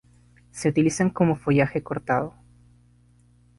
Se utilizan como follaje cortado.